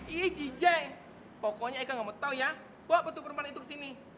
ih jj pokoknya eka gak mau tahu ya bawa betul perempuan itu kesini